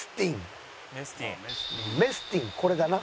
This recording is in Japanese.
メスティンこれだな。